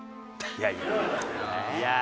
いやいやあ